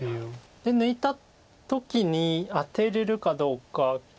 で抜いた時にアテれるかどうか。